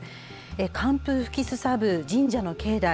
寒風吹きすさぶ神社の境内。